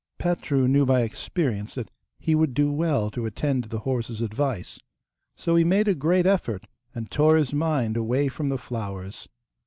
Petru knew by experience that he would do well to attend to the horse's advice, so he made a great effort and tore his mind away from the flowers.